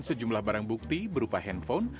sejumlah barang bukti berupa handphone